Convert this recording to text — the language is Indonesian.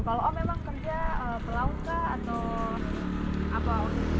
kalau om memang kerja pelauta atau apa